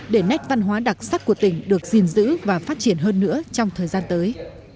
để nét văn hóa đặc sắc của tỉnh được gìn giữ và phát triển hơn nữa trong thời gian tới